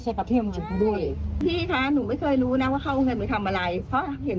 ใช่คนที่ดูแลแม่ดีมาก